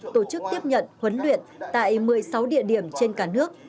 tổ chức tiếp nhận huấn luyện tại một mươi sáu địa điểm trên cả nước